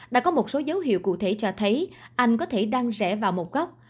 đã có một số dấu hiệu cụ thể cho thấy anh có thể đăng rẽ vào một góc